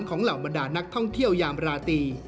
หูดของเหล่าบรรดานักท่องเที่ยวยาบราตี